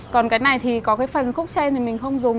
còn cái này thì có cái phần khúc chai này mình không dùng